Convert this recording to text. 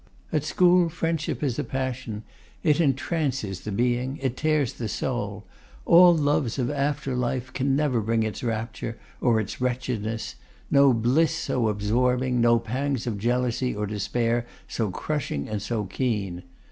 At school, friendship is a passion. It entrances the being; it tears the soul. All loves of after life can never bring its rapture, or its wretchedness; no bliss so absorbing, no pangs of jealousy or despair so crushing and so keen!